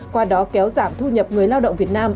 qua đó kéo giảm thu nhập người lao động việt nam